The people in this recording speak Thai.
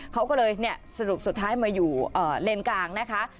เขาก็เลยสรุปสุดท้ายมาอยู่เลนกลางนะคะ